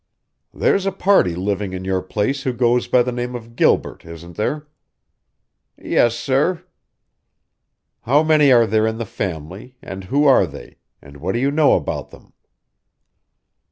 "There's a party living in your place who goes by the name of Gilbert, isn't there?" "Yes, sir." "How many are there in the family, and who are they, and what do you know about them?"